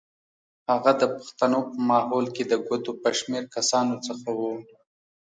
هغه د پښتنو په ماحول کې د ګوتو په شمېر کسانو څخه و.